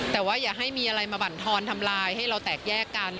แต่ว่าอย่าให้มีอะไรมาบรรทอนทำลายให้เราแตกแยกกัน